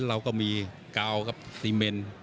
เราก็มีกาวครับซีเมน